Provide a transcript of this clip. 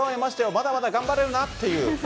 まだまだ頑張れるなっていう。